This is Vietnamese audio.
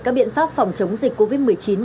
các biện pháp phòng chống dịch covid một mươi chín